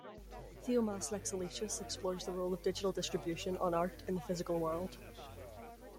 Theo-Mass Lexileictous explores the role of digital distribution on art in the physical world.